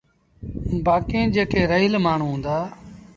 بآڪيٚن جيڪي رهيٚل مآڻهوٚݩ هُݩدآ۔